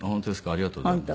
ありがとうございます。